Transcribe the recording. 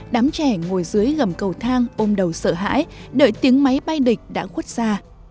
đám trẻ ngồi dưới gầm cầu thang ôm đầu sợ hãi đợi tiếng máy bay địch đã khuất xa